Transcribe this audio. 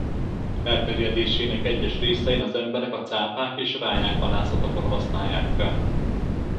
Elterjedésének egyes részein az emberek a cápák és ráják halászatakor használják fel.